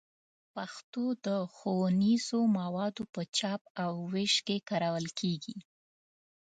پښتو د ښوونیزو موادو په چاپ او ویش کې کارول کېږي.